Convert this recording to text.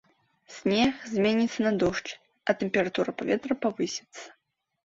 Снег зменіцца на дождж, а тэмпература паветра павысіцца.